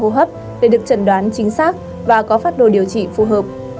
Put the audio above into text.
khoa nội hô hấp để được trần đoán chính xác và có phát đồ điều trị phù hợp